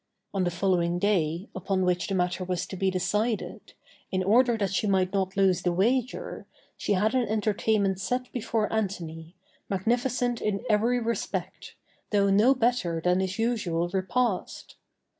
On the following day, upon which the matter was to be decided, in order that she might not lose the wager, she had an entertainment set before Antony, magnificent in every respect, though no better than his usual repast.